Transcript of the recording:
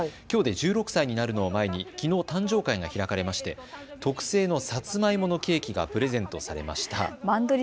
きょうで１６歳になるのを前に誕生会が開かれまして特製のサツマイモのケーキがプレゼントされました。